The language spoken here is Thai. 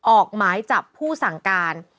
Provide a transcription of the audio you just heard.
ออกหมายจับผู้สั่งการ